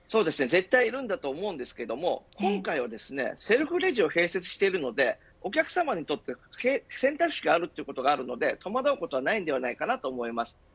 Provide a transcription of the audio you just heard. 絶対いると思いますが今回はセルフレジを併設しているのでお客さまにとって選択肢があるということで戸惑うことはないと思います。